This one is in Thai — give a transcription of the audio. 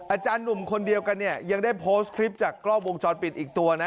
อาจารย์หนุ่มคนเดียวกันเนี่ยยังได้โพสต์คลิปจากกล้องวงจรปิดอีกตัวนะ